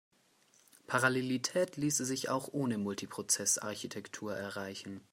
Parallelität ließe sich auch ohne Multiprozess-Architektur erreichen.